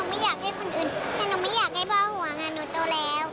แต่หนูไม่อยากให้พ่อห่วงหนูตัวแล้ว